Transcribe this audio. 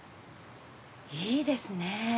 いいですね。